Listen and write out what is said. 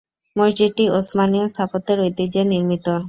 মসজিদটি ওসমানীয় স্থাপত্যের ঐতিহ্যে নির্মিত।